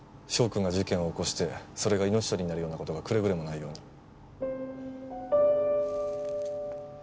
翔くんが事件を起こしてそれが命取りになるような事がくれぐれもないように。